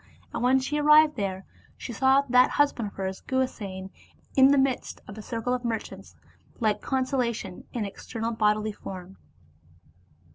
And when she arrived there, she saw that husband of hers, Guhasena, in the midst of a circle of merchants, like consolation in external bodily form.